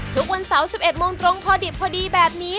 ทุกวันเสาร์๑๑โมงตรงพอดิบพอดีแบบนี้